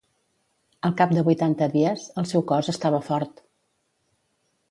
Al cap de vuitanta dies, el seu cos estava fort.